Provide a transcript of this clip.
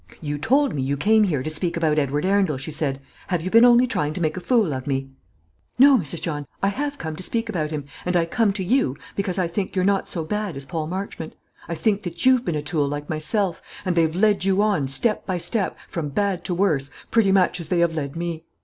"You told me you came here to speak about Edward Arundel," she said. "Have you been only trying to make a fool of me." "No, Mrs. John; I have come to speak about him, and I come to you, because I think you're not so bad as Paul Marchmont. I think that you've been a tool, like myself; and they've led you on, step by step, from bad to worse, pretty much as they have led me.